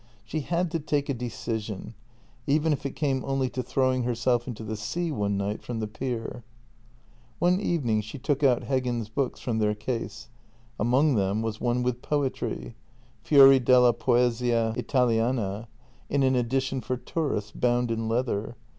She had to take a decision — even if it came only to throwing herself into the sea one night from the pier. One evening she took out Heggen's books from their case. Among them was one with poetry — Fxori della Poesia Italiana — in an edition for tourists, bound in leather.